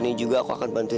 mau tenang aja